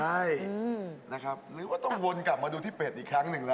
ใช่นะครับหรือว่าต้องวนกลับมาดูที่เป็ดอีกครั้งหนึ่งแล้ว